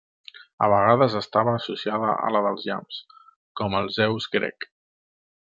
A vegades estava associada a la dels llamps, com el Zeus grec.